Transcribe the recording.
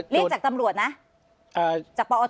เรียกจากตำรวจนะ